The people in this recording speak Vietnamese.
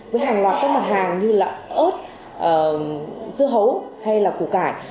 với hàng loạt các mặt hàng như là ớt dưa hấu hay là củ cải